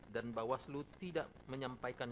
dan bahwa selu tidak menyampaikan